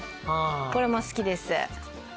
これも好きです。